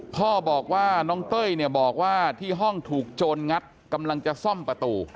พ่อบอกว่าน้องเต้ยเนี่ยบอกว่าที่ห้องถูกโจรงัดกำลังจะซ่อมประตู